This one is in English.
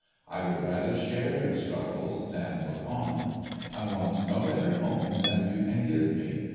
I would rather share your struggles than look on. I want no better home than you can give me.